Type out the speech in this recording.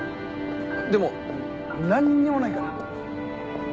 でも何にもないから。